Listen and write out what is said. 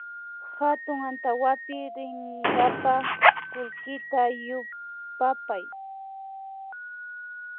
Hatun antawapi rinkapa kullkita yupapay